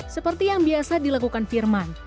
seperti yang biasa dilakukan firman